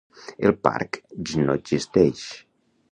El parc j no existeix.